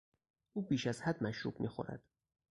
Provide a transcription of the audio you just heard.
او بیش از حد مشروب میخورد.